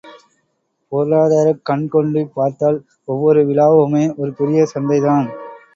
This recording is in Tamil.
பொருளாதாரக் கண் கொண்டு பார்த்தால் ஒவ்வொரு விழாவுமே ஒரு பெரிய சந்தைதான்.